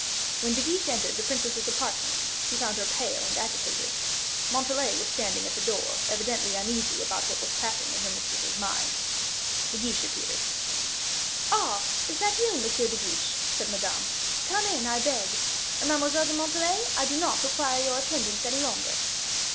When De Guiche entered the princess's apartments, he found her pale and agitated. Montalais was standing at the door, evidently uneasy about what was passing in her mistress's mind. De Guiche appeared. "Ah! is that you, Monsieur de Guiche?" said Madame; "come in, I beg. Mademoiselle de Montalais, I do not require your attendance any longer."